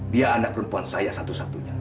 dia anak perempuan saya satu satunya